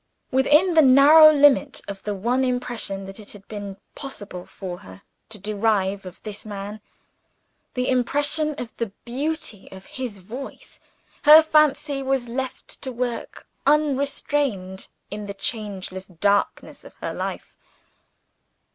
Within the narrow limit of the one impression that it had been possible for her to derive of this man the impression of the beauty of his voice her fancy was left to work unrestrained in the changeless darkness of her life.